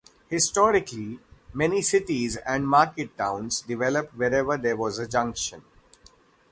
Historically, many cities and market towns developed wherever there was a junction.